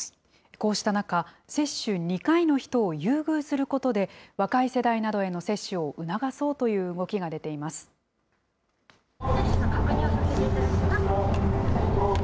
こうした中、接種２回の人を優遇することで、若い世代などへの接種を促そうという動きが出ています。